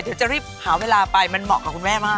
เดี๋ยวจะรีบหาเวลาไปมันเหมาะกับคุณแม่มาก